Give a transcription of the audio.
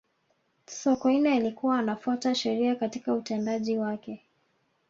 sokoine alikuwa anafuata sheria katika utendaji wake